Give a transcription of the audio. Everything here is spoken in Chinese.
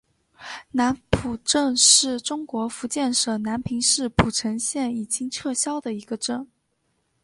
南浦镇是中国福建省南平市浦城县已经撤销的一个镇。